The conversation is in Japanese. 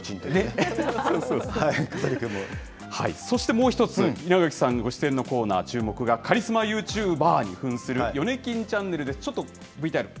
そしてもう１つ、稲垣さんご出演のコーナー、注目がカリスマユーチュー婆にふんするヨネキンチャンネルです。